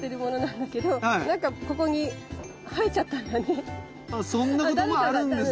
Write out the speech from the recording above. これそんなこともあるんですね。